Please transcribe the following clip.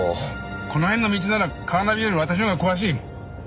この辺の道ならカーナビより私のほうが詳しい。